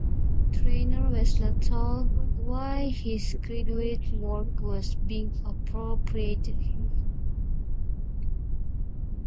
Trainor was not told why his graduate work was being appropriated.